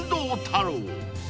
太郎］